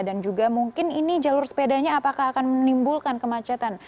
dan juga mungkin ini jalur sepedanya apakah akan menimbulkan kemacetan